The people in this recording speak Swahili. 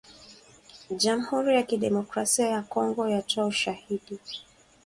Jamhuri ya kidemokrasia ya Kongo yatoa ‘ushahidi’.